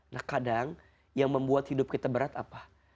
nah kadang yang membuat hidup kita berat apa